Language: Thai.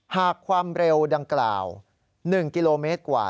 หากความเร็วดังกล่าว๑กิโลเมตรกว่า